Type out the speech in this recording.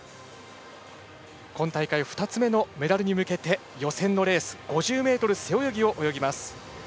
今大会２つ目のメダルに向け予選のレース５０ｍ背泳ぎを泳ぎます。